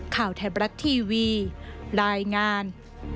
ข่าวไทยบรัฐทีวีรายงาน